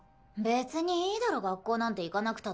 別にいいだろ学校なんて行かなくたって。